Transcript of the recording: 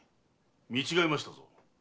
見違えましたぞ。